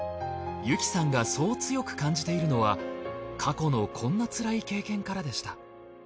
由紀さんがそう強く感じているのは過去のこんなつらい経験からでした。